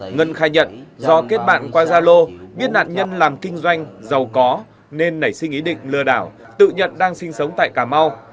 ngân khai nhận do kết bạn qua gia lô biết nạn nhân làm kinh doanh giàu có nên nảy sinh ý định lừa đảo tự nhận đang sinh sống tại cà mau